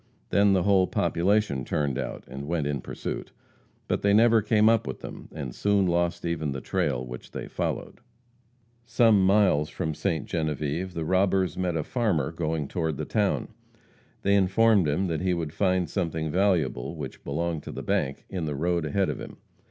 Then the whole population turned out, and went in pursuit. But they never came up with them, and soon lost even the trail which they followed. Some miles from Ste. Genevieve the robbers met a farmer going toward the town. They informed him that he would find something valuable, which belonged to the bank, in the road ahead of him.